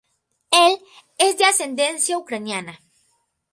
Él es de ascendencia ucraniana.